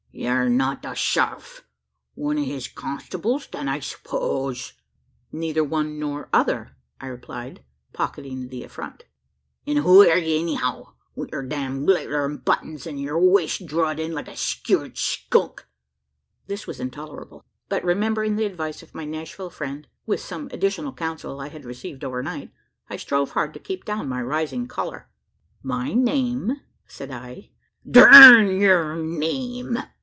"Yur not the shariff? One o' his constables, then, I s'pose?" "Neither one nor other," I replied, pocketing the affront. "An' who air ye, anyhow wi' yur dam glitterin' buttons, an' yur waist drawd in, like a skewered skunk?" This was intolerable; but remembering the advice of my Nashville friend with some additional counsel I had received over night I strove hard to keep down my rising choler. "My name," said I "Durn yur name!"